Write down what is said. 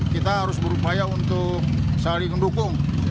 kita harus berupaya untuk saling mendukung